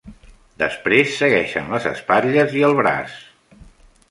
Després segueixen les espatlles i el braç.